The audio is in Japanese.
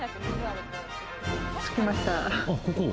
着きました。